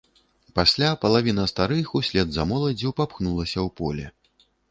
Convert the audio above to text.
Пасля палавіна старых услед за моладдзю папхнулася ў поле.